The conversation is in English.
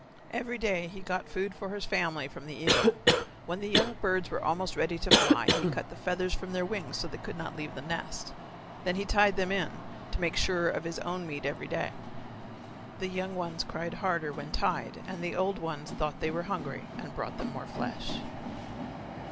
Every day he got food for his family from the eagle. When the young birds were almost ready to fly he cut the feathers from their wings so they could not leave the nest. Then he tied them in to make sure of his own meat every day. The young ones cried harder when tied and the old ones thought they were hungry and brought them more flesh.